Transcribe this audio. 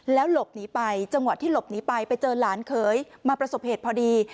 หลบหนีไปจังหวะที่หลบหนีไปไปเจอหลานเคยมาประสบเหตุพอดี